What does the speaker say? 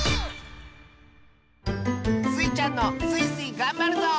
スイちゃんの「スイスイ！がんばるぞ」